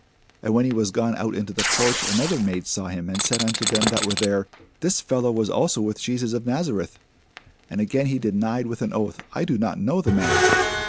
And when he was gone out into the porch, another maid saw him, and said unto them that were there, This fellow was also with Jesus of Nazareth. And again he denied with an oath, I do not know the man.